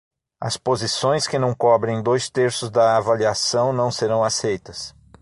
As posições que não cobrem dois terços da avaliação não serão aceitas.